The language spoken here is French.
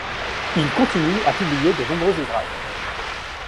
Il continue à publier de nombreux ouvrages.